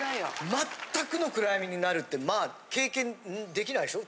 全くの暗闇になるってまあ経験できないでしょ